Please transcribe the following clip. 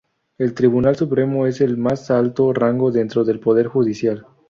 El Tribunal Supremo es el de más alto rango dentro del Poder Judicial.